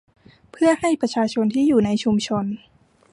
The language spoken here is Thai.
เพื่อให้ประชาชนที่อยู่ในชุมชน